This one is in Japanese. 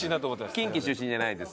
近畿出身じゃないです。